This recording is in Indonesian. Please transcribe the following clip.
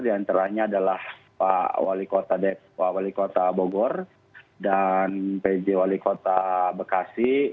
di antaranya adalah pak wali kota bogor dan pj wali kota bekasi